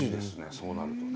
そうなるとね。